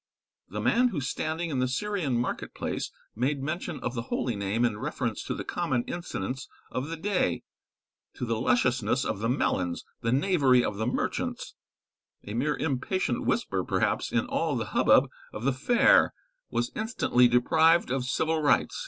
The man who standing in the Syrian market place made mention of the holy name in reference to the common incidents of the day to the lusciousness of the melons, the knavery of the merchants a mere impatient whisper, perhaps, in all the hubbub of the fair, was instantly deprived of civil rights.